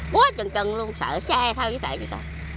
quá trần trần luôn sợ xe thôi sợ gì cả